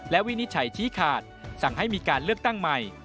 และวินิจฉัยชี้ขาดสั่งให้มีการเลือกตั้งใหม่